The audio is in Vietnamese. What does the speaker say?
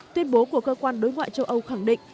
tuyên bố của cơ quan đối ngoại châu âu khẳng định